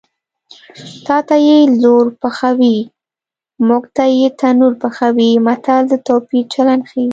تاته یې لور پخوي موږ ته یې تنور پخوي متل د توپیر چلند ښيي